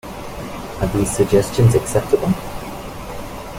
Are these suggestions acceptable?